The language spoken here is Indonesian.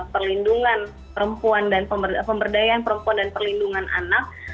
bertemu dengan ibu pementerian pemberdayaan perempuan dan perlindungan anak